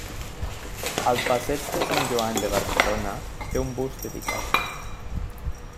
Al passeig de Sant Joan de Barcelona té un bust dedicat.